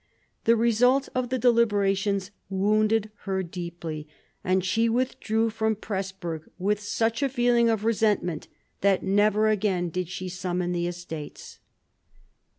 The result of the deliberations wounded her deeply, and she withdrew from Presburg with such a feeling of resentment that never again did she summon the Estates.